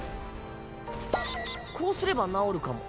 こうすれば治るかも。